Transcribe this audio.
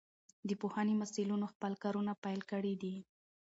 د پوهنې مسئولينو خپل کارونه پيل کړي دي.